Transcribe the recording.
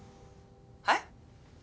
はい？